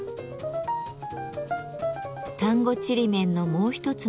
丹後ちりめんのもう一つの特徴